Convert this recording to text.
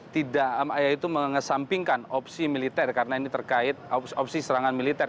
tidak yaitu mengesampingkan opsi militer karena ini terkait opsi serangan militer